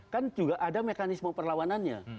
kan juga ada mekanisme perlawanannya